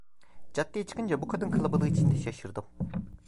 Caddeye çıkınca bu kadın kalabalığı içinde şaşırdım.